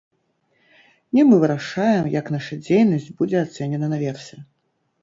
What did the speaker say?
Не мы вырашаем, як наша дзейнасць будзе ацэнена наверсе.